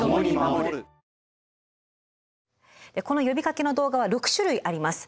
この呼びかけの動画は６種類あります。